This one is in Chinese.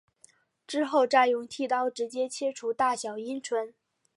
之后再使用剃刀直接切除大小阴唇。